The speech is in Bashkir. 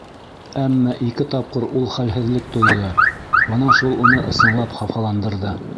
Әммә ике тапҡыр ул хәлһеҙлек тойҙо, бына шул уны ысынлап хафаландырҙы.